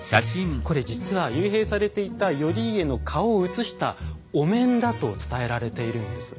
これ実は幽閉されていた頼家の顔をうつしたお面だと伝えられているんです。